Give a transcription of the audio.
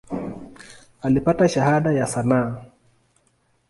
Alipata Shahada ya sanaa.